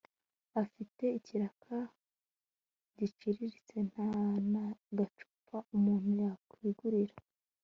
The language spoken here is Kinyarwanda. afite ikiraka giciriritse ntana gacupa umuntu yakwigurira